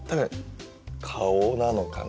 「顔」なのかなって。